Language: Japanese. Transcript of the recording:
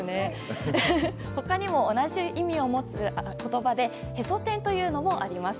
他にも同じ意味を持つ言葉でへそ天というのもあります。